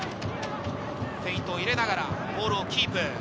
フェイントを入れながらボールをキープ。